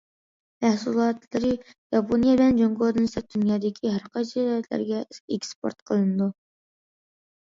مەھسۇلاتلىرى ياپونىيە بىلەن جۇڭگودىن سىرت دۇنيادىكى ھەر قايسى دۆلەتلەرگە ئېكسپورت قىلىنىدۇ.